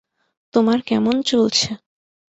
তোমার কেমন চলছে?